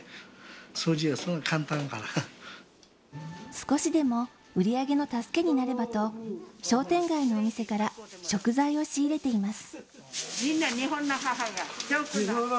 少しでも売り上げの助けになればと、商店街のお店から食材を仕入れています。